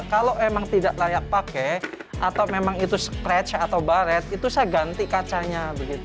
kalau memang tidak layak pakai atau memang itu scratch atau baret itu saya ganti kacanya